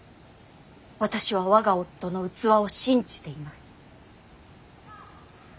私は我が夫の器を信じています。